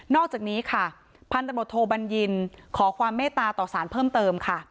นอกจากนี้พันธมทโมโทบัญญิ์ขอความเม้ตาต่อสารเพิ่มเติม